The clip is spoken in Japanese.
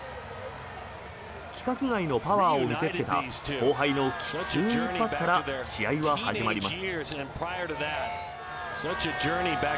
規格外のパワーを見せつけた後輩のきつい一発から試合は始まります。